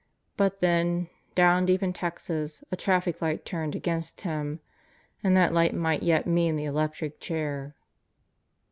But then, down deep in Texas, a traffic light turned against him and that light might yet mean the electric chair.